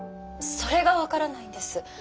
それが分からないんです。